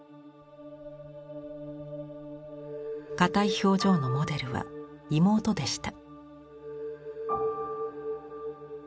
かたい表情のモデルは妹でした。